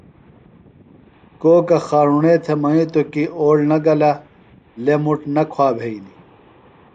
کوکہ خارُݨے تھےۡ منِیتوۡ کی اوڑ نہ گلہ لےۡ مُٹ نہ کُھوا بھئینیۡ۔